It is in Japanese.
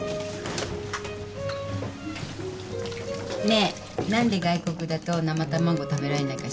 ねえ何で外国だと生卵食べられないか知ってる？